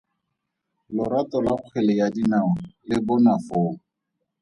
Lorato lwa kgwele ya dinao lo bonwa foo.